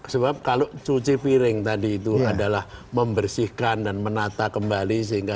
sebab kalau cuci piring tadi itu adalah membersihkan dan menata kembali sehingga